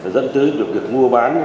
dẫn tới việc mua bán